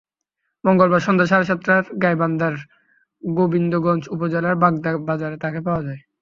মঙ্গলবার সন্ধ্যা সাড়ে সাতটায় গাইবান্ধার গোবিন্দগঞ্জ উপজেলার বাগদা বাজারে তাকে পাওয়া যায়।